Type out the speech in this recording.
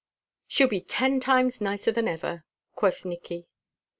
"She'll be ten times nicer than ever," quoth Nicky.